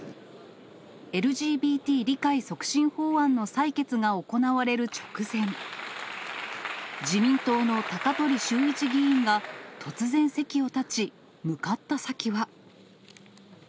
ＬＧＢＴ理解促進法案の採決が行われる直前、自民党の高鳥修一議員が突然席を立ち、向かった先は。